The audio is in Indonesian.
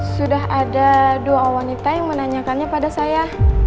sudah ada dua wanita yang menanyakannya pada saya